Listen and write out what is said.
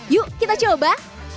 yuk kita coba